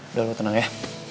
udah lu tenang ya